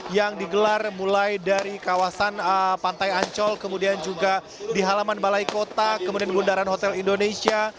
yang digelar mulai dari kawasan pantai ancol kemudian juga di halaman balai kota kemudian bundaran hotel indonesia